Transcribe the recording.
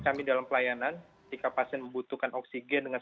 kami dalam pelayanan ketika pasien membutuhkan oksigen dengan